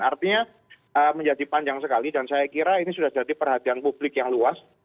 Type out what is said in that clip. artinya menjadi panjang sekali dan saya kira ini sudah jadi perhatian publik yang luas